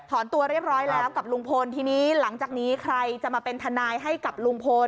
ตัวเรียบร้อยแล้วกับลุงพลทีนี้หลังจากนี้ใครจะมาเป็นทนายให้กับลุงพล